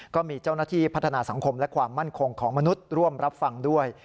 ก็มีเจ้าหน้าที่พัฒนาสังคมและความมั่นคงของมนุษย์ร่วมรับฟังด้วย